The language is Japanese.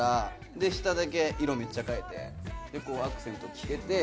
で下だけ色めっちゃ変えてアクセントつけて。